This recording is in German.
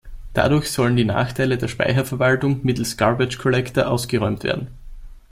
Dadurch sollen die Nachteile der Speicherverwaltung mittels Garbage-Collector ausgeräumt werden.